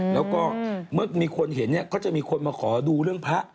แล้วก็เมื่อมีคนเห็นเนี่ยก็จะมีคนมาขอดูเรื่องพระ